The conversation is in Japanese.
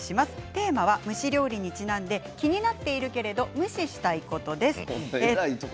テーマは蒸し料理にちなんで気になってはいるけれど“むし”したいこと。